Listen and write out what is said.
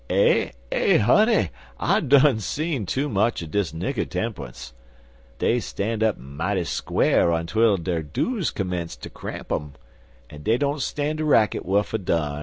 "Eh eh, honey! I done see too much er dis nigger tempunce. Dey stan' up mighty squar' ontwell dere dues commence ter cramp um, an' dey don't stan' de racket wuf a durn.